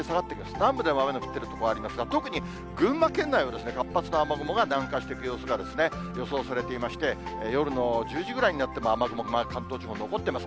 南部では雨の降ってる所ありますが、特に群馬県内を活発な雨雲が南下していく様子が予想されていまして、夜の１０時ぐらいになっても、雨雲、関東地方、残ってます。